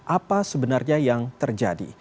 apa sebenarnya yang terjadi